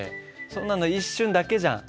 そんなの一瞬だけじゃん。